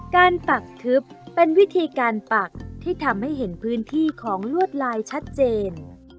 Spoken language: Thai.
ปักทึบเป็นวิธีการปักที่ทำให้เห็นพื้นที่ของลวดลายชัดเจน